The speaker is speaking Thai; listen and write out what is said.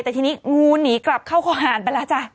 แต่ทีนี้งูหนีกลับเข้าข้อหารไปแล้วจ้ะ